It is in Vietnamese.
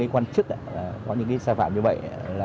quân chức có những sai phạm như vậy